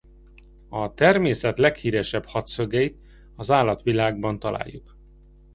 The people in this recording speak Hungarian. A természet leghíresebb hatszögeit az állatvilágban találjuk.